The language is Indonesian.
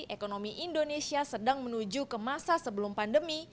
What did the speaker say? ekonomi indonesia sedang menuju ke masa sebelum pandemi